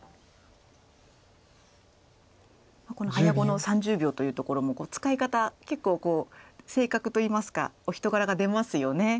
早碁の３０秒というところも使い方結構性格といいますかお人柄が出ますよね。